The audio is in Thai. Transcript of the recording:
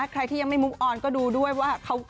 ใครที่ยังไม่มุกออนก็ดูด้วยว่า